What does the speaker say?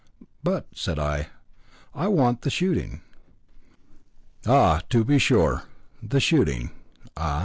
"But," said I, "I want the shooting." "Ah, to be sure the shooting, ah!